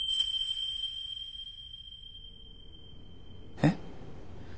えっ？